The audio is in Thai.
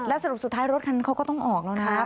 สรุปสุดท้ายรถคันเขาก็ต้องออกแล้วนะครับ